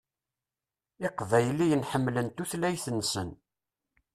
Iqbayliyen ḥemmlen tutlayt-nsen.